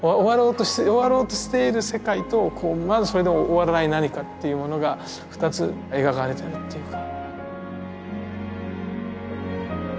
終わろうとしている世界とまだそれでも終わらない何かっていうものが２つ描かれてるっていうか。